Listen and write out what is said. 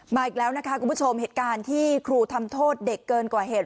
อีกแล้วนะคะคุณผู้ชมเหตุการณ์ที่ครูทำโทษเด็กเกินกว่าเหตุ